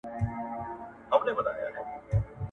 نه غوټۍ سته نه ګلاب یې دی ملګری د خوښیو `